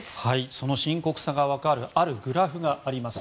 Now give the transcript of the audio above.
その深刻さが分かるあるグラフがあります。